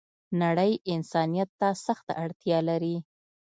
نړۍ انسانيت ته سخته اړتیا لری